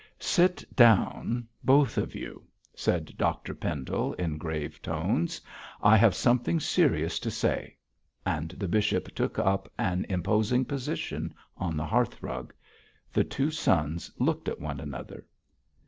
'Sit down, both of you,' said Dr Pendle, in grave tones, 'I have something serious to say,' and the bishop took up an imposing position on the hearthrug. The two sons looked at one another.